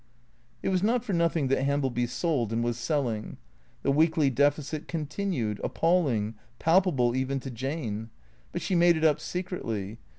It was not for nothing that Hambleby sold and was selling. The weekly deficit continued, appalling, palpable even to Jane; but she made it up secretly.